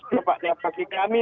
tempatnya bagi kami